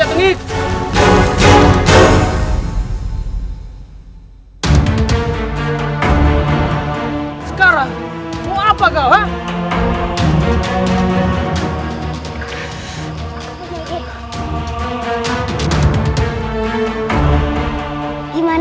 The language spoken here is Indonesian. aku pergi dari sini